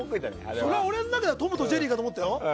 それは俺の中では「トムとジェリー」だと思ったよ。